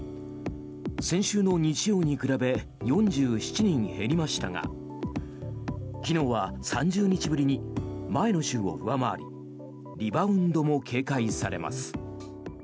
先週の日曜に比べ４７人減りましたが昨日は３０日ぶりに前の週を上回りリバウンドも警戒されます。